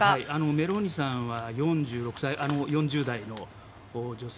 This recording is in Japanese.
メローニさんは４０代の女性